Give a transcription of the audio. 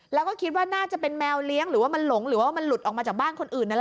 แล้วเขียนว่าน่าจะเป็นแมวเลี้ยงหรือว่ามันหลงหรือว่ามันหลุดมาจากบ้านคนอื่น